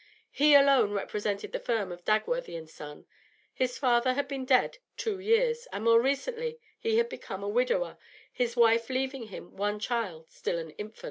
He alone represented the firm of Dagworthy and Son; his father had been dead two years, and more recently he had become a widower, his wife leaving him one child still an infant.